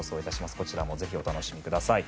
こちらもぜひお楽しみください。